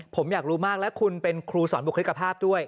ผมอยากรู้มากและคุณเป็นครูสอนบุคลิกภาพด้วย